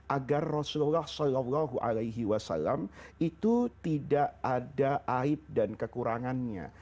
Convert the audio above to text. agar rasulullah saw itu tidak ada aib dan kekurangannya